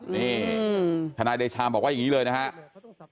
นี่ทนายเดชาบอกว่าอย่างนี้เลยนะครับ